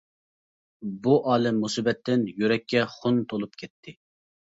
بۇ ئالەم-مۇسىبەتتىن يۈرەككە خۇن تولۇپ كەتتى.